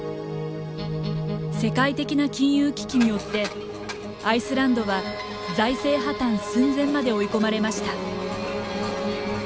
世界的な金融危機によってアイスランドは財政破綻寸前まで追い込まれました。